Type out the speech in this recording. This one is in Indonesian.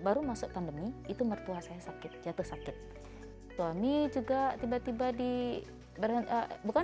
baru masuk pandemi itu mertua saya sakit jatuh sakit suami juga tiba tiba di bukan